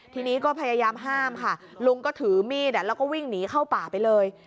ทีนี้ก็พยายามห้ามค่ะลุงก็ถือมีดแล้วก็วิ่งหนีเข้าป่าไปเลย